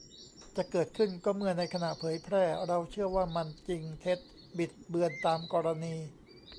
จะเกิดขึ้นก็เมื่อในขณะเผยแพร่เราเชื่อว่ามัน จริง เท็จ บิดเบือน ตามกรณี